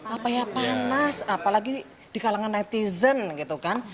apa ya panas apalagi di kalangan netizen gitu kan